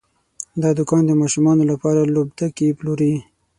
دا دوکان د ماشومانو لپاره لوبتکي پلوري.